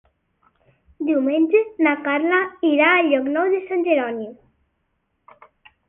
Diumenge na Carla irà a Llocnou de Sant Jeroni.